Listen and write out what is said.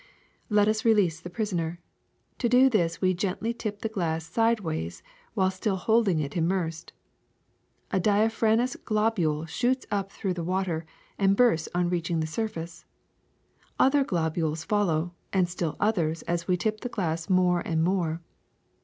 Let us release the prisoner. To do this we gently tip the glass sidewise while still holding it immersed. A diaphanous globule shoots up through the water and bursts on reaching the surface. Other globules follow, and still others, as we tip the glass more and more.